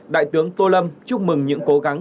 đại tướng tô lâm chúc mừng những cố gắng